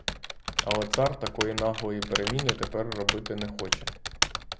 Але цар такої наглої переміни тепер робити не хоче.